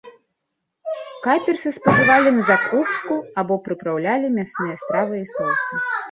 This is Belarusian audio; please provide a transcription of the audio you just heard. Каперсы спажывалі на закуску або прыпраўлялі мясныя стравы і соусы.